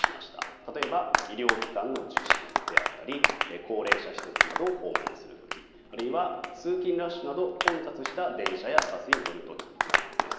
例えば医療機関の受診であったり高齢者施設などを訪問する時あるいは通勤ラッシュなど混雑した電車やバスに乗る時などです。